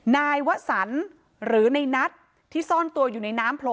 นายวะสันหรือในนัทที่ซ่อนตัวอยู่ในน้ำโผล่